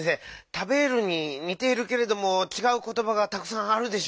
「たべる」ににているけれどもちがうことばがたくさんあるでしょ。